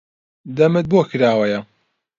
دەمت بۆ کراوەیە؟